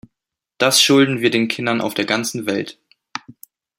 Das schulden wir den Kindern auf der ganzen Welt.